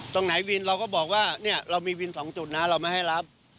ตรงไหนวินเราก็บอกว่าเนี่ยเรามีวิน๒จุดนะเราไม่ให้รับ